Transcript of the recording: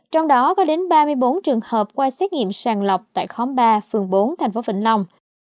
trong đó có đến ba mươi bốn trường hợp qua xét nghiệm sàn lọc tại khóm ba phường bốn tp vĩnh long